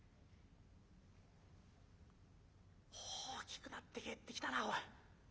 「大きくなって帰ってきたなおい。